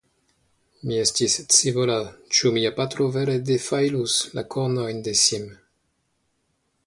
Mi estis scivola, ĉu mia patro vere defajlus la kornojn de Sim.